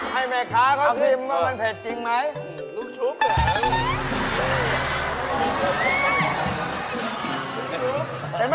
ให้แม่ค้าก็ชิมว่ามันเผ็ดจริงไหม